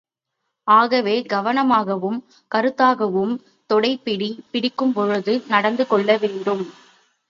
ஆகவே, கவனமாகவும், கருத்தாகவும் தொடைப் பிடி பிடிக்கும்பொழுது நடந்து கொள்ள வேண்டும்.